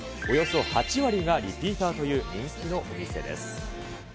およそ８割がリピーターという人気のお店です。